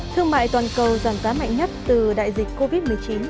thương mại toàn cầu giảm giá mạnh nhất từ đại dịch covid một mươi chín